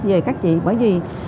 về các chị